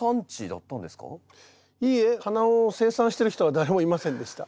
いえ花を生産してる人は誰もいませんでした。